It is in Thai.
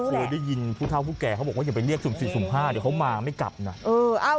อ๋อเคยได้ยินผู้เท่าผู้แก่เขาบอกว่าอย่าไปเรียก๐๔๐๕เดี๋ยวเขามาไม่กลับนะเออไม่รู้แหละ